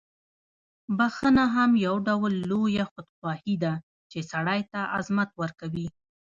بخښنه هم یو ډول لویه خودخواهي ده، چې سړی ته عظمت ورکوي.